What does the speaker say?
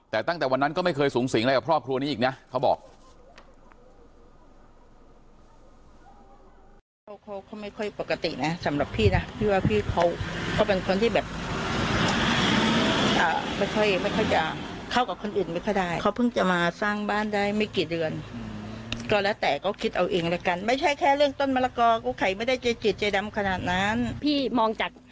แต่ตั้งแต่วันนั้นก็ไม่เคยสูงสิงอะไรกับครอบครัวนี้อีกนะเขาบอก